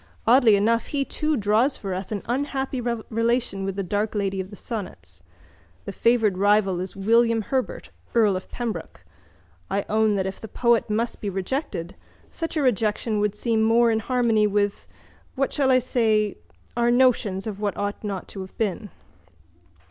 Oddly enough he too draws for us an unhappy relation with the dark lady of the sonnets. The favoured rival is William Herbert, earl of Pembroke. I own that if the poet must be rejected such a rejection would seem more in harmony with—what shall I say?—our notions of what ought not to have been.